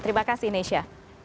terima kasih nesha